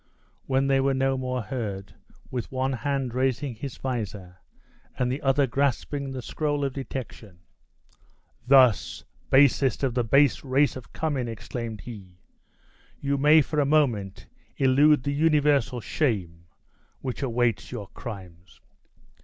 When they were no more heard, with one hand raising his visor, and the other grasping the scroll of detection: "Thus, basest of the base race of Cummin!" exclaimed he, "you may for a moment elude the universal shame which awaits your crimes."